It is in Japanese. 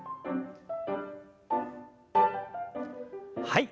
はい。